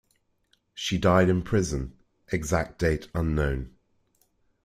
She died in prison, exact date unknown.